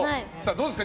どうですか？